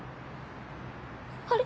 あれ？